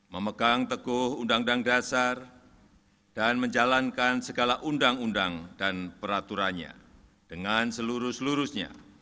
memegang teguh undang undang dasar dan menjalankan segala undang undang dan peraturannya dengan seluruh seluruhnya